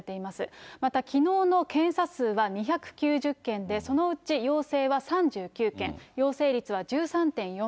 またきのうの検査数は２９０件で、そのうち陽性は３９件、陽性率は１３．４％。